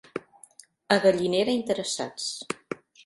A Gallinera, interessats.